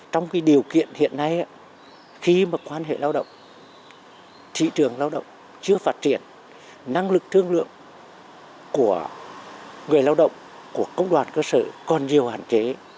trong điều kiện hiện nay khi mà quan hệ lao động thị trường lao động chưa phát triển năng lực thương lượng của người lao động của công đoàn cơ sở còn nhiều hạn chế